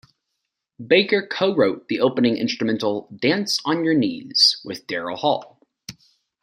Baker co-wrote the opening instrumental, "Dance On Your Knees," with Daryl Hall.